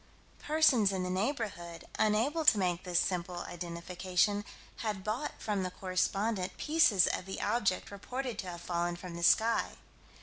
Persons in the neighborhood, unable to make this simple identification, had bought from the correspondent pieces of the object reported to have fallen from the sky.